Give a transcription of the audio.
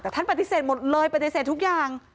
แต่ท่านปฏิเสธหมดเลยปฏิเสธทุกอย่าง